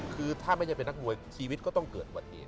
คือถ้าไม่ใช่เป็นนักมวยชีวิตก็ต้องเกิดอุบัติเหตุ